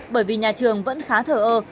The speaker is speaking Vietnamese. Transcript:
bởi vì nhà trường vẫn khá thờ ơ